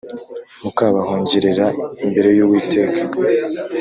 mukabahongererera imbere y uwiteka